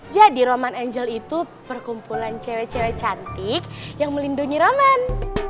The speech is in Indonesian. jadi roman angel itu perkumpulan cewek cewek cantik yang melindungi roman